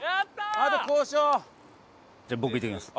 じゃあ僕行ってきます。